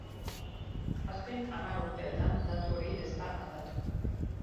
Azken hamar urteetan datu hori ez da aldatu.